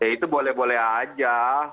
itu boleh boleh aja